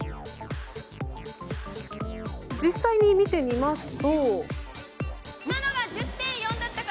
実際に見てみますと。